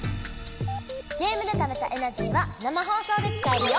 ゲームでためたエナジーは生放送で使えるよ！